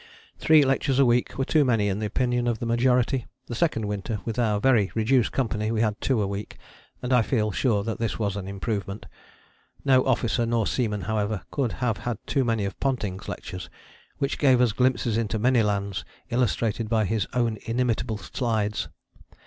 " Three lectures a week were too many in the opinion of the majority. The second winter with our very reduced company we had two a week, and I feel sure that this was an improvement. No officer nor seaman, however, could have had too many of Ponting's lectures, which gave us glimpses into many lands illustrated by his own inimitable slides.